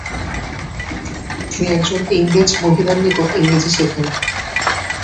তিনি একজন ইংরেজ মহিলার নিকট ইংরেজি শেখেন।